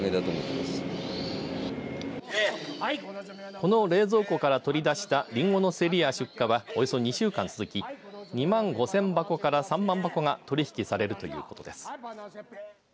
この冷蔵庫から取り出したりんごの競りや出荷はおよそ２週間続き２万５０００箱から３万箱が取引されるということです。